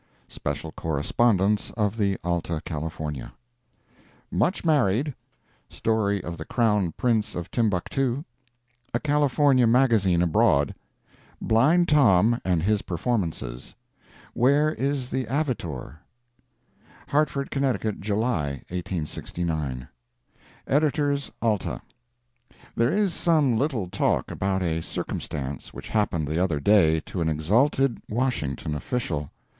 [SPECIAL CORRESPONDENCE OF THE ALTA CALIFORNIA] Much Married—Story of the Crown Prince of Timbuctoo—A California Magazine Abroad—Blind Tom and His Performances—Where is the Avitor? HARTFORD, Conn., July, 1869 EDITORS ALTA: There is some little talk about a circumstance which happened the other day to an exalted Washington official.